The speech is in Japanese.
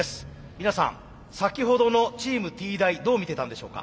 皆さん先ほどのチームＴ大どう見てたんでしょうか？